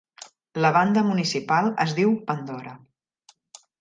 La banda municipal es diu "Pandora".